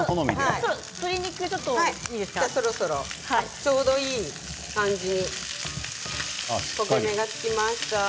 鶏肉はちょうどいい感じに焦げ目がつきました。